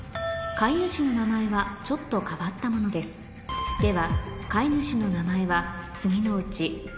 飼い主の名前はちょっと変わったものですうわ